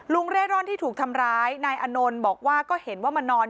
เร่ร่อนที่ถูกทำร้ายนายอานนท์บอกว่าก็เห็นว่ามานอน